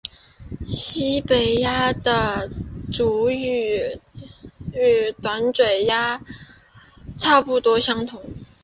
西北鸦的主羽与短嘴鸦差不多相同。